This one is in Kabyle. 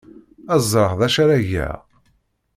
Ad ẓreɣ d acu ara geɣ.